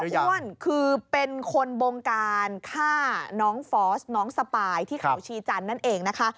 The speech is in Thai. อ้วนคือเป็นคนบงการฆ่าน้องฟอสน้องสปายที่เขาชีจันทร์นั่นเองนะคะ